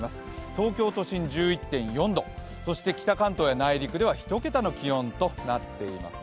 東京都心１１．４度、そして北関東や内陸では１桁となっています。